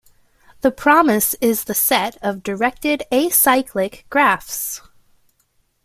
The promise is the set of directed acyclic graphs.